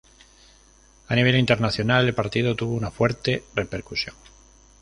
A nivel internacional, el partido tuvo una fuerte repercusión.